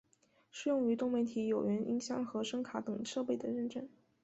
适用于多媒体有源音箱和声卡等设备的认证。